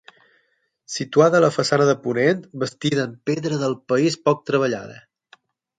Situada a la façana de ponent, bastida en pedra del país poc treballada.